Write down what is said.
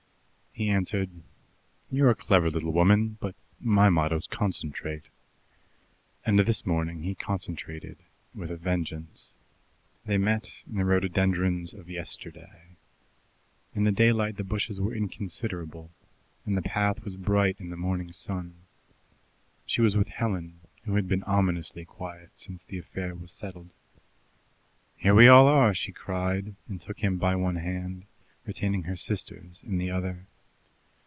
He answered: "You're a clever little woman, but my motto's Concentrate." And this morning he concentrated with a vengeance. They met in the rhododendrons of yesterday. In the daylight the bushes were inconsiderable and the path was bright in the morning sun. She was with Helen, who had been ominously quiet since the affair was settled. "Here we all are!" she cried, and took him by one hand, retaining her sister's in the other.